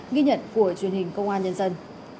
nghi nhận của truyền hình công an nhân dân